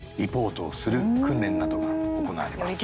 実際に海に出てリポートをする訓練などが行われます。